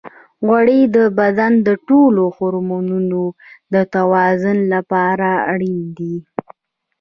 غوړې د بدن د ټولو هورمونونو د توازن لپاره اړینې دي.